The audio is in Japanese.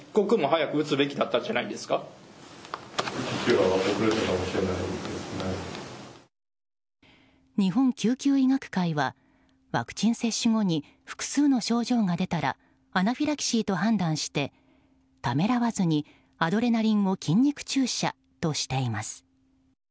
日本救急医学会はワクチン接種後に複数の症状が出たらアナフィラキシーと判断してためらわずにアドレナリンを筋肉注射としています。